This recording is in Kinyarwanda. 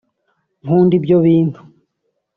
Nkunda Ibyo Bintu